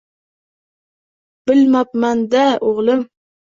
Bilmabman-da, o‘g‘lim.